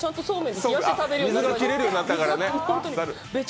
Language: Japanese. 水が切れるようになったからね。